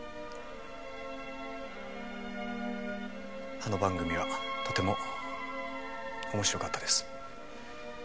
あの番組はとても面白かったです。